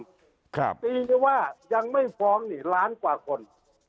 ตีกันว่ายังไม่ฟ้องนี่ล้านกว่าคน